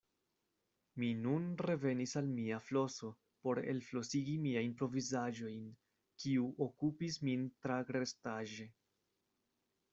Mi nun revenis al mia floso por elflosigi miajn provizaĵojn, kiu okupis min tagrestaĵe.